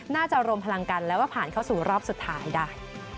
น่าจะโรมพลังกันแล้วผ่านเข้าสู่รอบสุดท้ายได้